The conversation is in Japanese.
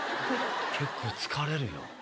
結構疲れるよ。